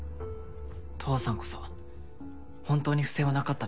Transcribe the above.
父さんこそ本当に不正はなかったの？